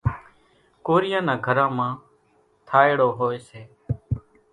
ڪورِيان نان گھران مان ٿائيڙو هوئيَ سي۔